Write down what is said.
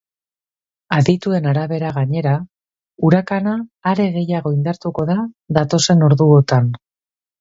Adituen arabera, gainera, urakana are gehiago indartuko da datozen orduotan.